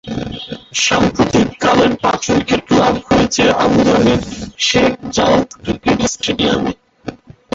সাম্প্রতিককালের পাঁচ-উইকেট লাভ হয়েছে আবুধাবির শেখ জায়েদ ক্রিকেট স্টেডিয়ামে।